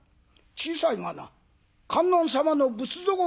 小さいがな観音様の仏像をあげよう」。